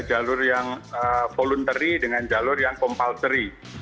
jalur yang voluntary dengan jalur yang compultory